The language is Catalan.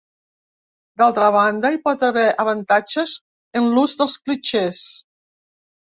D'altra banda, hi pot haver avantatges en l'ús dels clixés.